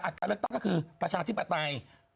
การเลือกตั้งก็คือประชาธิปไตย